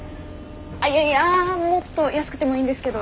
あっいやいやもっと安くてもいいんですけど。